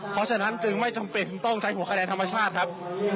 เพราะฉะนั้นจึงไม่จำเป็นต้องใช้หัวคะแนนธรรมชาติครับ